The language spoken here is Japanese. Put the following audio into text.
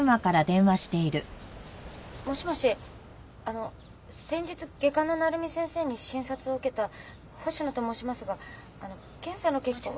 もしもしあの先日外科の鳴海先生に診察を受けた星野と申しますがあの検査の結果を。